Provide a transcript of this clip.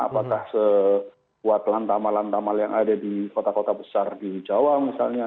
apakah sekuat lantama lantamal yang ada di kota kota besar di jawa misalnya